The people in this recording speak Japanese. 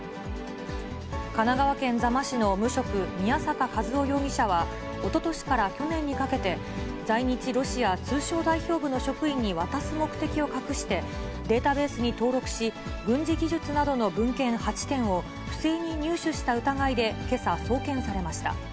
神奈川県座間市の無職、宮坂和雄容疑者は、おととしから去年にかけて、在日ロシア通商代表部の職員に渡す目的を隠して、データベースに登録し、軍事技術などの文献８点を不正に入手した疑いでけさ、送検されました。